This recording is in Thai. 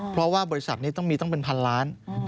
เพราะว่าบริษัทนี้ต้องมีตั้งเป็นพันล้าน